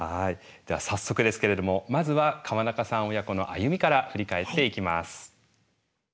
では早速ですけれどもまずは川中さん親子の歩みから振り返っていきます。